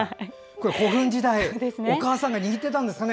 古墳時代、お母さんが握っていたんですかね。